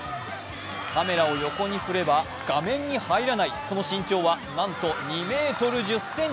カメラを横に振れば画面に入らないその身長は、なんと２１０ｃｍ。